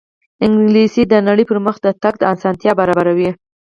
انګلیسي د نړۍ پرمخ تګ ته اسانتیا برابروي